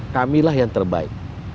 kamilah yang terbaik